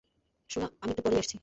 সোনা, আমি একটু পরেই আসছি!